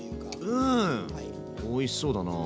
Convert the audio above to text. うんおいしそうだな。